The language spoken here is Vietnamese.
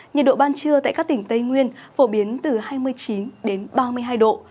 nhiệt độ ban trưa tại các tỉnh tây nguyên phổ biến từ hai mươi chín đến ba mươi hai độ